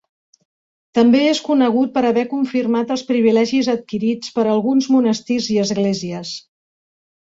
També és conegut per haver confirmat els privilegis adquirits per alguns monestirs i esglésies.